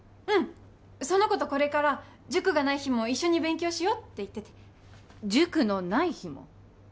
うんその子とこれから塾がない日も一緒に勉強しようって言ってて塾のない日も？